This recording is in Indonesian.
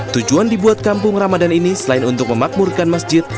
tujuan dibuat kampung ramadan ini selain untuk memakmurkan masjid